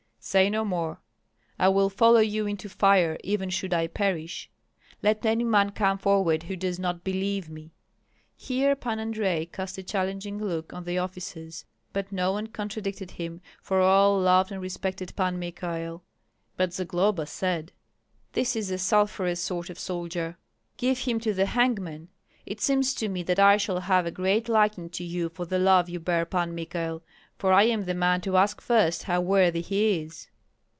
"Say no more!" "I will follow you into fire, even should I perish. Let any man come forward who does not believe me!" Here Pan Andrei cast a challenging look on the officers. But no one contradicted him, for all loved and respected Pan Michael; but Zagloba said, "This is a sulphurous sort of soldier; give him to the hangman! It seems to me that I shall have a great liking to you for the love you bear Pan Michael, for I am the man to ask first how worthy he is."